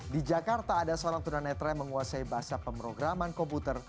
di jakarta ada seorang tunanetra yang menguasai bahasa pemrograman komputer